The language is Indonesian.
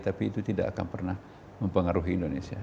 tapi itu tidak akan pernah mempengaruhi indonesia